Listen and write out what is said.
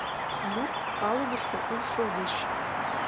Люк — палубышто улшо виш.